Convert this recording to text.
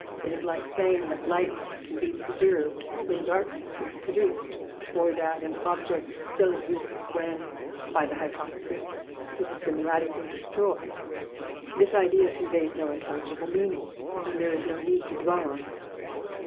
It is like saying that light can be preserved when darkness is produced, or that an object still exists when, by the hypothesis, it has been radically destroyed. This idea conveys no intelligible meaning, and there is no need to dwell on it.